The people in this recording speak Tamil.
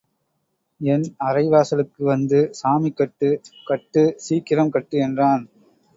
என் அறைவாசலுக்கு வந்து, சாமி கட்டு, கட்டு சீக்கிரம் கட்டு என்றான்.